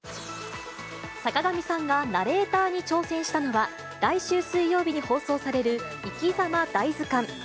坂上さんがナレーターに挑戦したのは、来週水曜日に放送される、いきざま大図鑑。